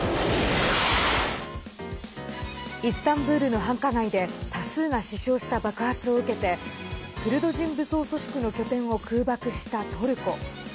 イスタンブールの繁華街で多数が死傷した爆発を受けてクルド人武装組織の拠点を空爆したトルコ。